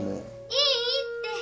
いいって！